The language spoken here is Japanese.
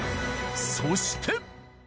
そして。